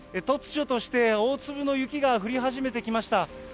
突如として大粒の雪が降り始めてきました。